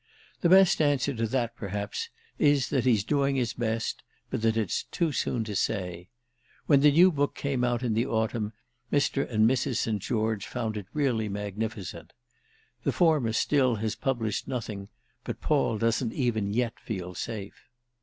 The best answer to that perhaps is that he's doing his best, but that it's too soon to say. When the new book came out in the autumn Mr. and Mrs. St. George found it really magnificent. The former still has published nothing but Paul doesn't even yet feel safe.